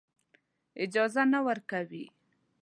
اجازه نه ورکوي.